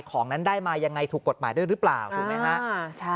ของนั้นได้มายังไงถูกกฎหมายด้วยหรือเปล่าถูกไหมฮะ